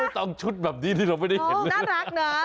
ต้องชุดแบบนี้ที่เราไม่ได้เห็น